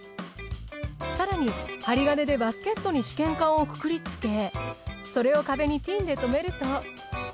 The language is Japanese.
更に針金でバスケットに試験管をくくりつけそれを壁にピンで留めると。